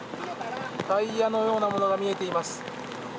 タイヤのようなものが見えています。